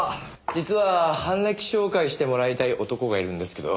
実は犯歴照会してもらいたい男がいるんですけど。